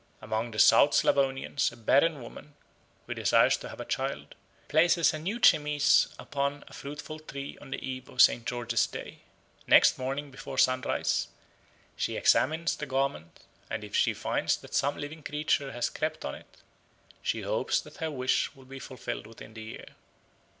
Among the South Slavonians a barren woman, who desires to have a child, places a new chemise upon a fruitful tree on the eve of St. George's Day. Next morning before sunrise she examines the garment, and if she finds that some living creature has crept on it, she hopes that her wish will be fulfilled within the year.